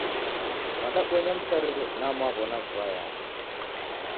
Mwadabonya msarigho na mwaw'ona vua yanya